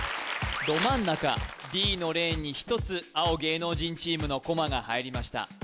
ど真ん中Ｄのレーンに１つ青芸能人チームのコマが入りました